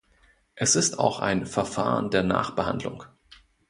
Es ist auch ein Verfahren der Nachbehandlung.